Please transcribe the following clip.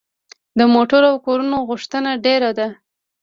د موټرو او کورونو غوښتنه ډیره ده.